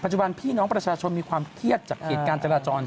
จุบันพี่น้องประชาชนมีความเครียดจากเหตุการณ์จราจร